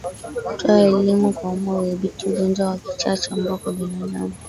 Kutoa elimu kwa umma hudhibiti ugonjwa wa kichaa cha mbwa kwa binadamu